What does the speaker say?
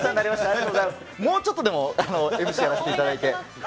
もうちょっと、でも、ＭＣやらせていただいて。